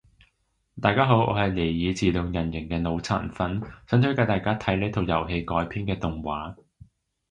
大家好我係尼爾自動人形嘅腦殘粉，想推介大家睇呢套遊戲改編嘅動畫